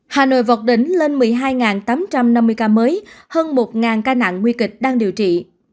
hà nội vọc đỉnh lên một mươi hai tám trăm năm mươi ca mới hơn một ca nặng nguy kịch đang điều trị